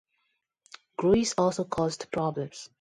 Greece also caused problems.